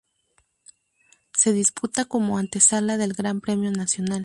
Se disputa como antesala del Gran Premio Nacional.